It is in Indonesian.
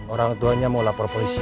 orang tuanya mau lapor polisi